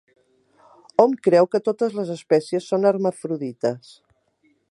Hom creu que totes les espècies són hermafrodites.